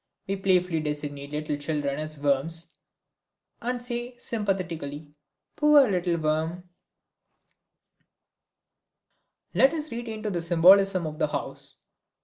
We playfully designate little children as worms, and say, sympathetically, "poor little worm." Let us return to the symbolism of the house.